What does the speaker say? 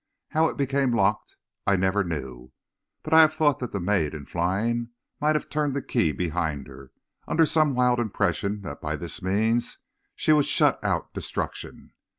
How it became locked I never knew, but I have thought that the maid in flying might have turned the key behind her, under some wild impression that by this means she would shut out destruction.